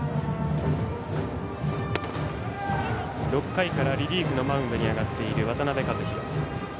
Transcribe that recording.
６回からリリーフのマウンドに上がっている渡辺和大。